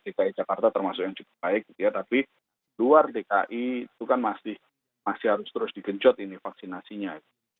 dki jakarta termasuk yang cukup baik gitu ya tapi luar dki itu kan masih harus terus digenjot ini vaksinasinya